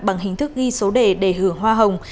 bằng hình thức ghi số đề đề hửa hoa hồng